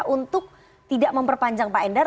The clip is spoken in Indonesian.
untuk tidak memperpanjang pak endar